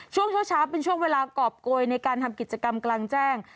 ช่วงเช้าเป็นช่วงเวลากรอบโกยในการทำกิจกรรมกลางแจ้ง